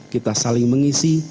kita saling mengisi